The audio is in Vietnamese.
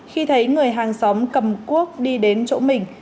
khi thấy người hàng xóm cầm cuốc đi đến chỗ mình